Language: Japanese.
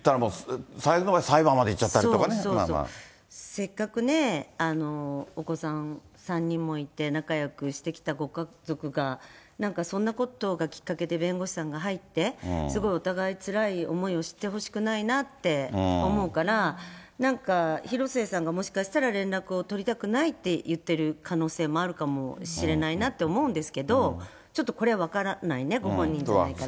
せっかくね、お子さん３人もいて、仲よくしてきたご家族が、なんかそんなことがきっかけで弁護士さんが入って、すごいお互いつらい思いをしてほしくないなって思うから、なんか、広末さんがもしかしたら連絡を取りたくないって言ってる可能性もあるかもしれないなって思うんですけど、ちょっとこれ、分からないね、ご本人じゃないから。